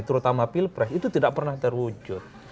terutama pilpres itu tidak pernah terwujud